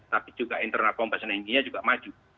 tapi juga internal pump asinginya juga maju